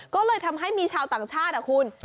ก็เลยทำให้มีชาวต่างชาติคุณ